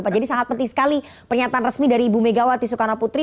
jadi sangat penting sekali pernyataan resmi dari ibu megawati soekarno putri